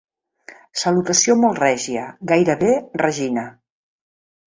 Salutació molt règia, gairebé regina.